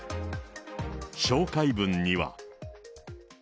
紹介文には。